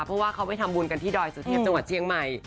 เพราะว่าเขาไปทำบุญกันที่ดอยสุเทพจังหวัดเชียงใหม่